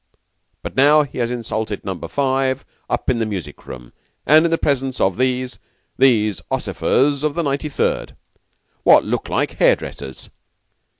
But now, he has insulted Number Five up in the music room, and in the presence of these these ossifers of the Ninety third, wot look like hairdressers.